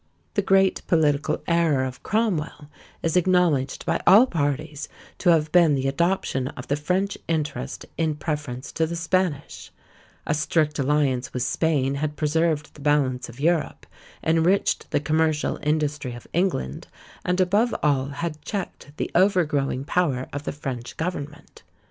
The great political error of Cromwell is acknowledged by all parties to have been the adoption of the French interest in preference to the Spanish; a strict alliance with Spain had preserved the balance of Europe, enriched the commercial industry of England, and, above all, had checked the overgrowing power of the French government.